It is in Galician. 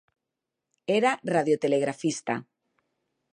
Era radiotelegrafista.